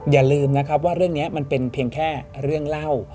อย่าลืมนะครับว่าเรื่องนี้มันเป็นเพียงแค่เรื่องเล่า